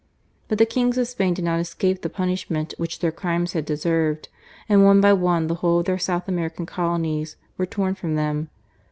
But the kings of Spain did not escape the punishment which their crimes had deserved, and one by one the whole of their South American Colonies were torn from them.